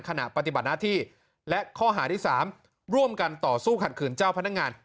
ขณะปฏิบัติหน้าที่และข้อหาที่๓ร่วมกันต่อสู้ขัดขืนเจ้าพนักงาน